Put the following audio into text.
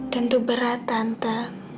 tentu berat tante